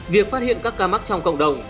việc phát hiện các ca mắc trong cộng đồng